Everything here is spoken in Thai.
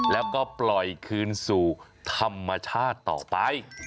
แล้วก็ปล่อยคืนสู่ธรรมชาติต่อไป